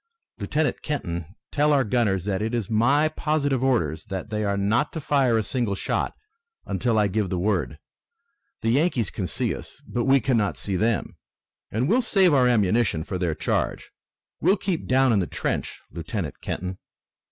Lieutenant Kenton, tell our gunners that it is my positive orders that they are not to fire a single shot until I give the word. The Yankees can see us, but we cannot see them, and we'll save our ammunition for their charge. Keep well down in the trench, Lieutenant Kenton!"